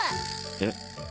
えっ？